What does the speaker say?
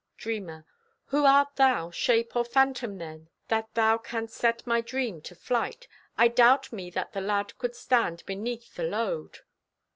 Dreamer: Who art thou, shape or phantom, then, That thou canst set my dream to flight? I doubt me that the lad could stand Beneath the load!